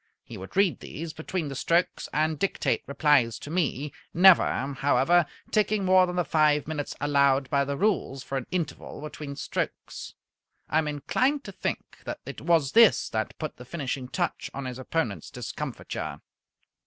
He would read these between the strokes and dictate replies to me, never, however, taking more than the five minutes allowed by the rules for an interval between strokes. I am inclined to think that it was this that put the finishing touch on his opponents' discomfiture.